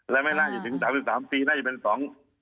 และไม่น่าจะถึง๓๓ปีน่าจะเป็น๒๙๐